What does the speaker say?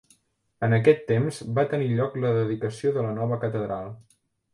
En aquest temps va tenir lloc la dedicació de la nova catedral.